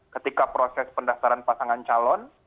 ketika proses pendaftaran pasangan calon